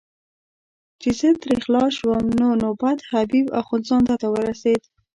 چې زه ترې خلاص شوم نو نوبت حبیب اخندزاده ته ورسېد.